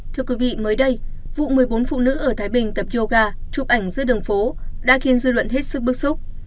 thưa quý vị mới đây vụ một mươi bốn phụ nữ ở thái bình tập yoga chụp ảnh giữa đường phố đã khiến dư luận hết sức bức xúc